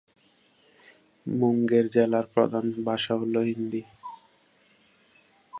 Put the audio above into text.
মুঙ্গের জেলার প্রধান ভাষা হল হিন্দি।